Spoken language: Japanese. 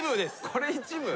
これ一部？